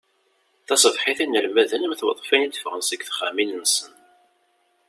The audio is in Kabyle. Taṣebḥit, inelmaden am tweḍfin i d-ttefɣen seg texxamin-nsen.